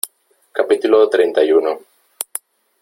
capítulo treinta y uno .